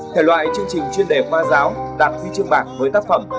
thể loại chương trình chuyên đề khoa giáo đạt huy chương bạc với tác phẩm